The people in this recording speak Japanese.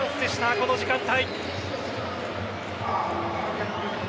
この時間帯。